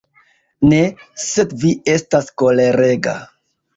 Ne, sed vi estas kolerega.